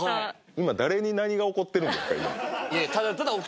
今誰に何が起こってるんですか？